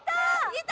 いた！